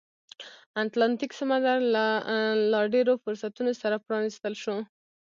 اتلانتیک سمندر له لا ډېرو فرصتونو سره پرانیستل شو.